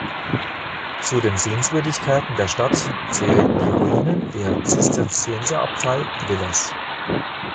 Zu den Sehenswürdigkeiten der Stadt zählen die Ruinen der Zisterzienserabtei Villers.